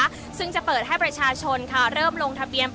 อาจจะออกมาใช้สิทธิ์กันแล้วก็จะอยู่ยาวถึงในข้ามคืนนี้เลยนะคะ